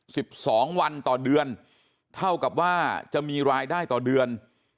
สิบสองวันต่อเดือนเท่ากับว่าจะมีรายได้ต่อเดือน